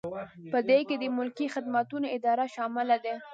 په دې کې د ملکي خدمتونو اداره شامله ده.